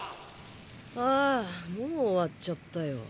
ああもう終わっちゃったよ。